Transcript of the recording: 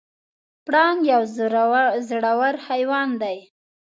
پړانګ یو زړور حیوان دی.